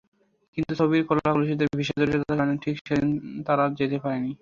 কিন্তু ছবির কলাকুশলীদের ভিসা জটিলতার কারণে ঠিক সেদিন তাঁরা যেতে পারেননি।